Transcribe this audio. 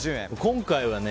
今回はね